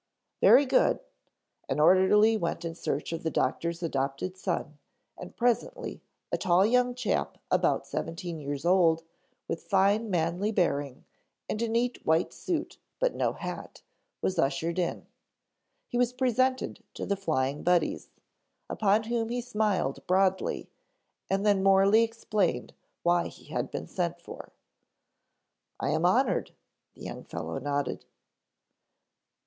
"Very good." An orderly went in search of the doctor's adopted son and presently a tall young chap about seventeen years old, with fine manly bearing and a neat white suit but no hat, was ushered in. He was presented to the Flying Buddies, upon whom he smiled broadly, and then Morley explained why he had been sent for. "I am honored," the young fellow nodded.